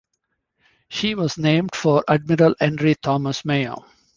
She was named for Admiral Henry Thomas Mayo.